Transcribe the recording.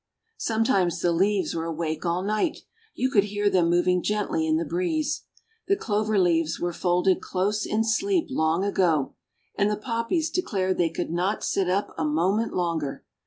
Sometimes the leaves were awake all night; you could hear them moving gently in the breeze. The clover leaves were folded close in sleep long ago and the Poppies declared they could not sit up a moment longer.